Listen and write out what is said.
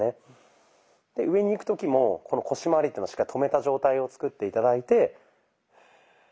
上にいく時もこの腰まわりっていうのをしっかり止めた状態を作って頂いて。